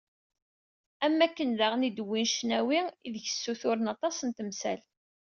Am wakken daɣen, i d-uwin ccnawi ideg ssuturen aṭas n temsal.